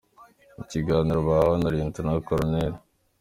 Mu kiganiro bahawe na Lt Col.